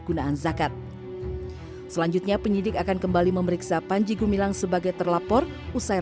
gunaan zakat selanjutnya penyidik akan kembali memeriksa panji gumilang sebagai terlapor usai